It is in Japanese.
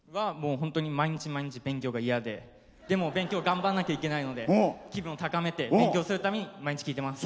毎日毎日勉強が嫌で、でも頑張んなきゃいけないので気分を高めて勉強するために毎日聴いてます。